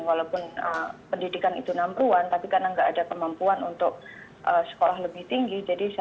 walaupun pendidikan itu enam puluh an tapi karena nggak ada kemampuan untuk sekolah lebih tinggi